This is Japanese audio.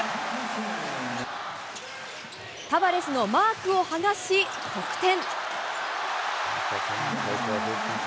タバレスのマークをはがし、得点。